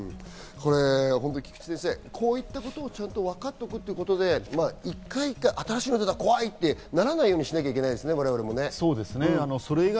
菊地先生、こういったことを分かっておくということで新しいのが出たら怖いってならないようにしなきゃいけないですね。